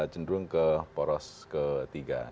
jendong ke poros ketiga